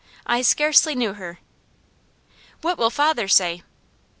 I scarcely knew her. "What will father say?"